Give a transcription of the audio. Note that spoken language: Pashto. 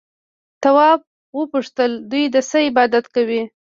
تواب وپوښتل دوی د څه عبادت کوي؟